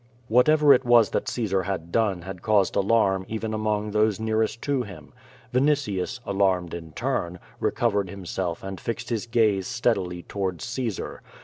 Whatever it was that Caesar had done had caused alarm even among those nearest to him. Vinitius, alarmed in turn, recovered himself and fixed his gaze steadily towards Caesar.